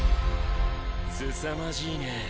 すさまじいね。